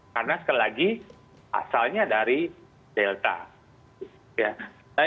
karena sekali lagi asalnya dari delta